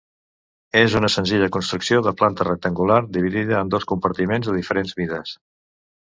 És una senzilla construcció de planta rectangular dividida en dos compartiments de diferents mides.